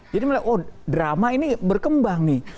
jadi drama ini berkembang nih